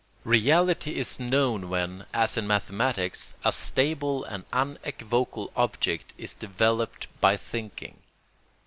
Reality is known when, as in mathematics, a stable and unequivocal object is developed by thinking.